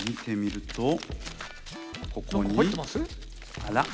あら？